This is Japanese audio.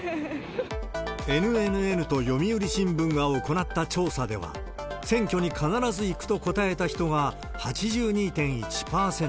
ＮＮＮと読売新聞が行った調査では、選挙に必ず行くと答えた人は８２．１％。